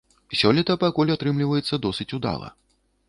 Сёлета пакуль атрымліваецца досыць удала.